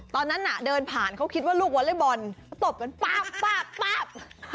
ตอนนั้นน่ะเดินผ่านเขาคิดว่าลูกวอเล็กบอลเขาตบกันป๊าบ